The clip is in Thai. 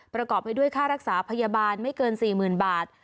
ประกอบไปด้วยค่ารักษาพยาบาลไม่เกิน๔๐๐๐บาท